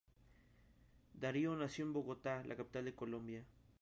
Darío nació en Bogotá la capital de Colombia.